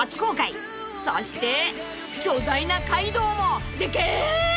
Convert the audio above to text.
［そして巨大なカイドウも。でっけ！］